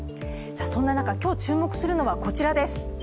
そんな中、今日注目するのはこちらです。